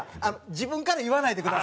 自分から言わないでください。